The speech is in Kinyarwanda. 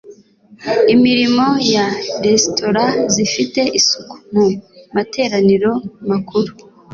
Imirimo ya Resitora Zifite Isuku mu Materaniro Makuru